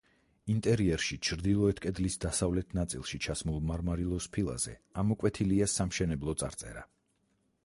ინტერიერში ჩრდილოეთ კედლის დასავლეთ ნაწილში ჩასმულ მარმარილოს ფილაზე ამოკვეთილია სამშენებლო წარწერა.